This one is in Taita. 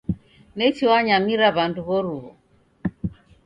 Nechi wanyamiria w'andu w'oruw'u.